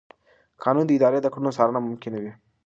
قانون د ادارې د کړنو څارنه ممکنوي.